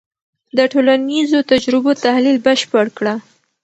د ټولنیزو تجربو تحلیل بشپړ کړه.